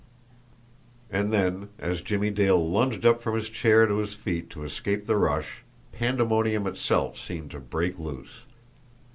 And then, as Jimmie Dale lunged up from his chair to his feet to escape the rush, pandemonium itself seemed to break loose.